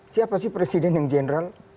siapa sih presiden yang general